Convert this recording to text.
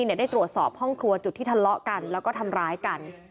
ได้ตรวจสอบห้องครัวจุดที่ทะเลาะกันแล้วก็ทำร้ายกัน